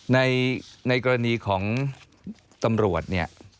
ในกรณีของตำรวจเนี่ย